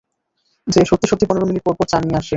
সে সত্যি-সত্যি পনের মিনিট পরপর চা নিয়ে আসে।